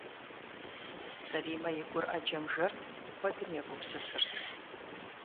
Сэримэ и гур Ӏэджэм жэрт, куэдым егупсысырт.